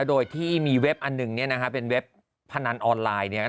โดยที่มีเว็บอันหนึ่งเนี่ยนะคะเป็นเว็บพนันออนไลน์เนี่ย